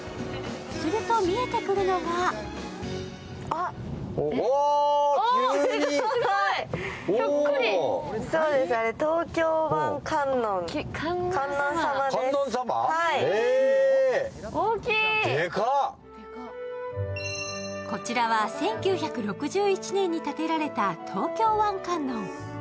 すると、見えてくるのがこちらは１９６１年に建てられた東京湾観音。